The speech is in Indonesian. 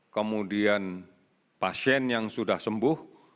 kemudian pasien yang sudah sembuh